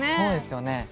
そうですよね。